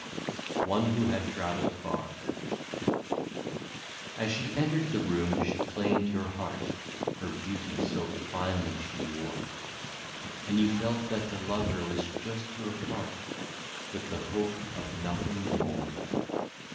i88 ONE WHO HAD TRAVELLED FAR. As she entered the room she claimed your heart, Her beauty so finely she wore ; And you felt that to love her was just your part, With the hope of nothing more.